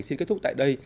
xin kết thúc tại đây